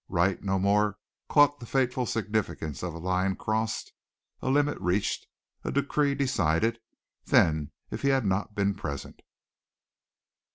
Wright no more caught the fateful significance of a line crossed, a limit reached, a decree decided, than if he had not been present.